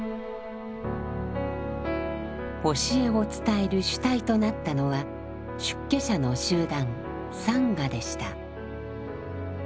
教えを伝える主体となったのは出家者の集団「サンガ」でした。